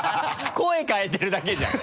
声変えてるだけじゃん。